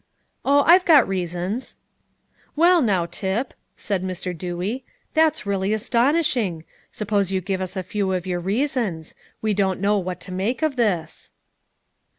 "Oh, I've got reasons." "Well, now, Tip," said Mr. Dewey, "that's really astonishing! Suppose you give us a few of your reasons. We don't know what to make of this."